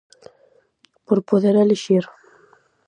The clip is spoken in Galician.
Por poder elixir.